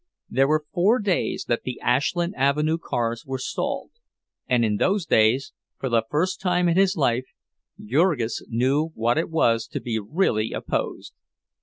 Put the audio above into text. There were four days that the Ashland Avenue cars were stalled, and in those days, for the first time in his life, Jurgis knew what it was to be really opposed.